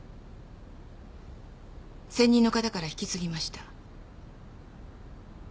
先任の方から引き継ぎました。